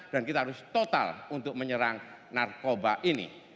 dan kita harus total untuk menyerang narkoba ini